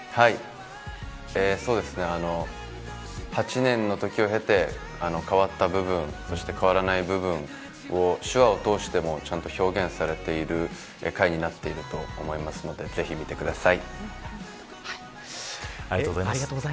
８年のときを経て変わった部分そして変わらない部分手話を通してもちゃんと表現されている回になっていると思いますのでぜひ、見てください。